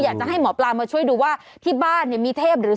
อยากจะให้หมอปลามาช่วยดูว่าที่บ้านเนี่ยมีเทพหรือ